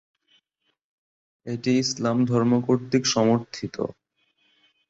এটি ইসলাম ধর্ম কর্তৃক সমর্থিত।